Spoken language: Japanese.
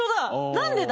何でだ？